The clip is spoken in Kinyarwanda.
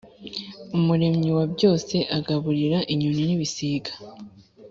umuremyi wa byose agaburira inyoni n’ibisiga